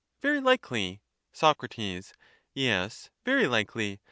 Very likely. Soc. Ves, very likely.